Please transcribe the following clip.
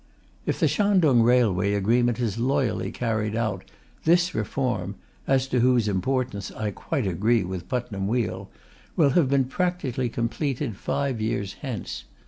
If the Shantung Railway Agreement is loyally carried out, this reform as to whose importance I quite agree with Putnam Weale will have been practically completed five years hence.